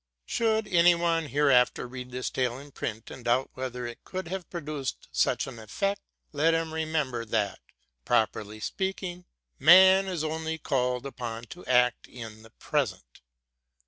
Should any one hereafter read this tale in print, and doubt whether it could have produced such an effect, let him re member, that, properly speaking, man is only called upon to act in the present.